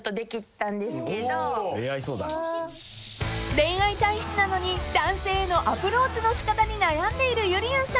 ［恋愛体質なのに男性へのアプローチの仕方に悩んでいるゆりやんさん］